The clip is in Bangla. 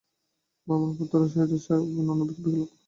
ব্রাহ্মণ পুত্র সহিত গৃহে আসিয়া নানাবিধ বিলাপ ও পরিতাপ করিতে লাগিলেন।